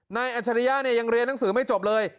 อัจฉริยะเนี่ยยังเรียนหนังสือไม่จบเลย